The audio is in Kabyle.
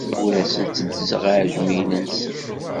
Ur asen-tteddzeɣ iɛejmiyen-nsen.